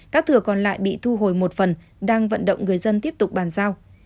các thừa còn lại bị thu hồi một phần đang vận động người dân tiếp tục bàn giao